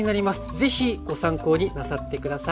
是非ご参考になさって下さい。